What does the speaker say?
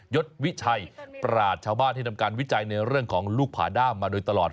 ศวิชัยปราศชาวบ้านที่ทำการวิจัยในเรื่องของลูกผาด้ามมาโดยตลอด